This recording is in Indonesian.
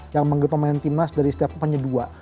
yang memanggil pemain timnas dari setiap hanya dua